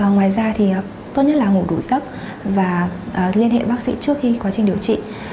ngoài ra thì tốt nhất là ngủ đủ sức và liên hệ bác sĩ trước khi quá trình điều trị